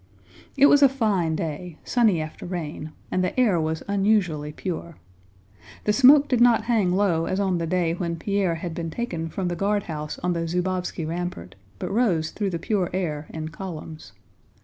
It was a fine day, sunny after rain, and the air was unusually pure. The smoke did not hang low as on the day when Pierre had been taken from the guardhouse on the Zúbovski rampart, but rose through the pure air in columns.